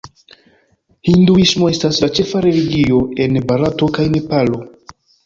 Hinduismo estas la ĉefa religio en Barato kaj Nepalo.